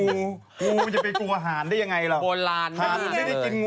งูจะไปกลัวห่านได้ยังไงเหรอห่านไม่ได้กินงู